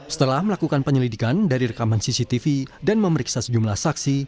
setelah melakukan penyelidikan dari rekaman cctv dan memeriksa sejumlah saksi